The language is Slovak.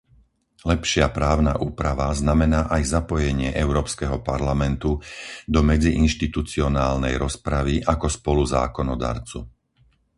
Lepšia právna úprava znamená aj zapojenie Európskeho parlamentu do medziinštitucionálnej rozpravy ako spoluzákonodarcu.